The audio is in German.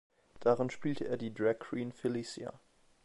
Darin spielte er die Dragqueen Felicia.